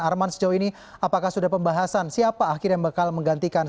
arman sejauh ini apakah sudah pembahasan siapa akhirnya bakal menggantikan